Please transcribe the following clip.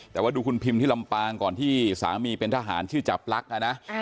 แต่ว่าดูคุณพิมที่ลำปางก่อนที่สามีเป็นทหารชื่อจับลักษณ์นะ